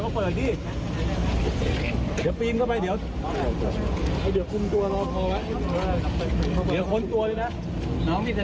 แสดงหมายแล้วเข้าเลยครับเปิดเลย